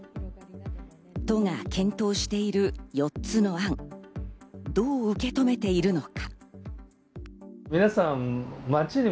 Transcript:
都が検討している４つの案、どう受け止めているのか。